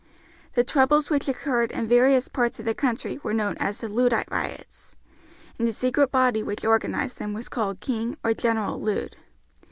The troubles which occurred in various parts of the country were known as the Luddite Riots, and the secret body which organized them was called King or General Lud.